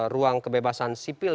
ruang kebebasan sipil